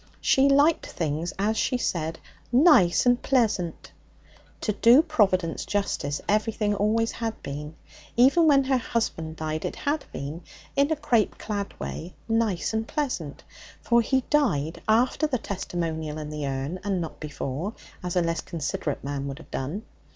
She liked things, as she said, 'nice and pleasant.' To do Providence justice, everything always had been. Even when her husband died it had been, in a crape clad way, nice and pleasant, for he died after the testimonial and the urn, and not before, as a less considerate man would have done.